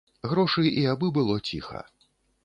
Грошы і абы было ціха.